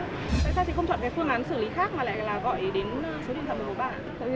tại sao chị không chọn phương án xử lý khác mà lại gọi đến số điện thoại của bạn